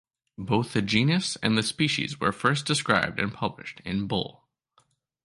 Both the genus and the species were first described and published in Bull.